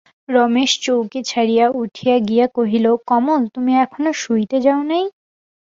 রমেশ চৌকি ছাড়িয়া উঠিয়া গিয়া কহিল, কমল, তুমি এখনো শুইতে যাও নাই?